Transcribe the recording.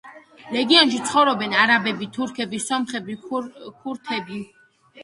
რეგიონში ცხოვრობენ არაბები, თურქები, სომხები, ქურთები.